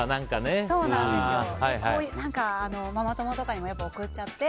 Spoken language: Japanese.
ママ友とかにも送っちゃって。